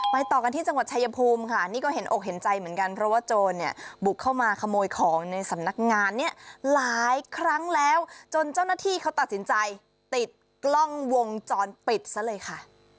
ต่อกันที่จังหวัดชายภูมิค่ะนี่ก็เห็นอกเห็นใจเหมือนกันเพราะว่าโจรเนี่ยบุกเข้ามาขโมยของในสำนักงานเนี่ยหลายครั้งแล้วจนเจ้าหน้าที่เขาตัดสินใจติดกล้องวงจรปิดซะเลยค่ะ